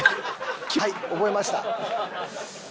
はい覚えました。